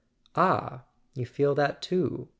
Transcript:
. "Ah, you feel that too?"